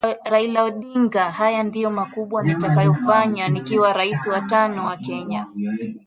Raila Odinga Haya ndiyo makubwa nitakayofanya nikiwa raisi wa tano wa Kenya